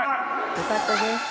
よかったです。